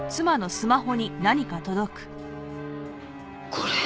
これ。